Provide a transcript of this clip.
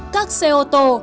các xe ô tô